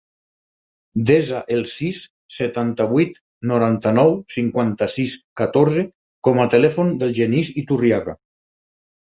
Desa el sis, setanta-vuit, noranta-nou, cinquanta-sis, catorze com a telèfon del Genís Iturriaga.